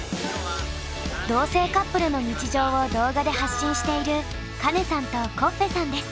同性カップルの日常を動画で発信しているカネさんとコッフェさんです。